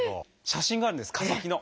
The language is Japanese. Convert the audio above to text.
写真があるんです化石の。